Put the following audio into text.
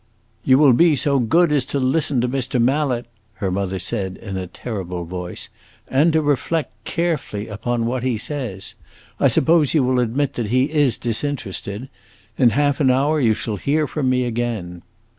"You will be so good as to listen to Mr. Mallet," her mother said, in a terrible voice, "and to reflect carefully upon what he says. I suppose you will admit that he is disinterested. In half an hour you shall hear from me again!"